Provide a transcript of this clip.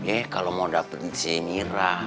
eh kalau mau dapetin si mira